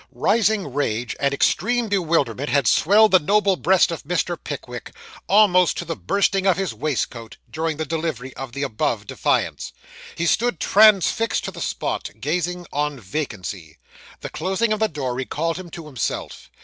Rising rage and extreme bewilderment had swelled the noble breast of Mr. Pickwick, almost to the bursting of his waistcoat, during the delivery of the above defiance. He stood transfixed to the spot, gazing on vacancy. The closing of the door recalled him to himself.